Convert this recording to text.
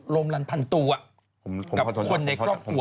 ลมรันพันตัวกับคนในครอบครัว